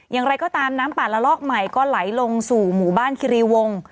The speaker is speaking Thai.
อย่างไรก็ตามน้ำป่าละลอกใหม่ก็ไหลลงสู่หมู่บ้านคิรีวง